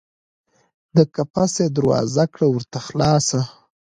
د قفس یې دروازه کړه ورته خلاصه